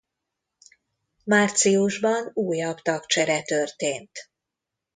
Márciusban újabb tagcsere történt.